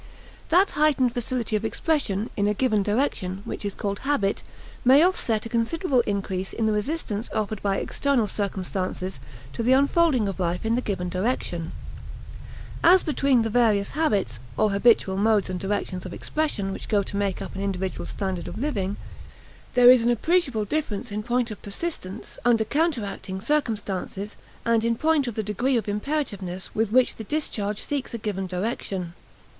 That heightened facility of expression in a given direction which is called habit may offset a considerable increase in the resistance offered by external circumstances to the unfolding of life in the given direction. As between the various habits, or habitual modes and directions of expression, which go to make up an individual's standard of living, there is an appreciable difference in point of persistence under counteracting circumstances and in point of the degree of imperativeness with which the discharge seeks a given direction.